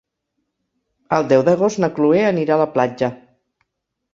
El deu d'agost na Cloè anirà a la platja.